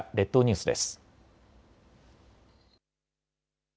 列島ニュースです。